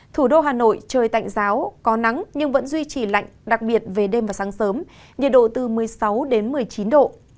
thủ đô hà nội trời tạnh giáo có nắng nhưng vẫn duy trì lạnh đặc biệt về đêm và sáng sớm nhiệt độ từ một mươi sáu đến một mươi chín độ